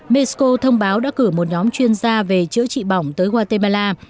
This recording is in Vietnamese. mexico thông báo đã cử một nhóm chuyên gia về chữa trị bỏng tới guatemala